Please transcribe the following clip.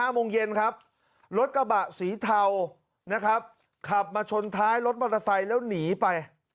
โมงเย็นครับรถกระบะสีเทานะครับขับมาชนท้ายรถมอเตอร์ไซค์แล้วหนีไป